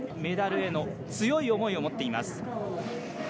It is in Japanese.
メダルへの強い思いを持っています。